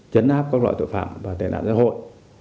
chấn áp các loại tội phạm và tên nạn gia hội